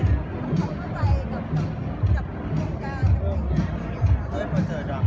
เพราะฉะนั้นถ้าแกโดยเจ้าเลยมันก็ควรทันแหละ